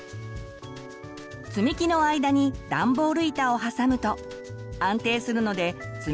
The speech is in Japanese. つみきの間にダンボール板を挟むと安定するのでつ